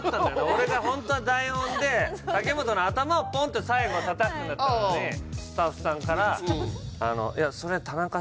俺がホントは台本で武元の頭をポンッて最後たたくんだったのにスタッフさんから。